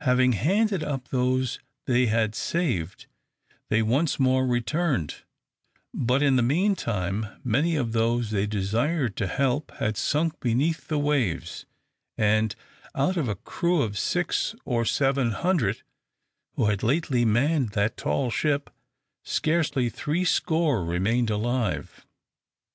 Having handed up those they had saved, they once more returned; but, in the meantime, many of those they desired to help had sunk beneath the waves: and out of a crew of six or seven hundred who had lately manned that tall ship, scarcely three score remained alive.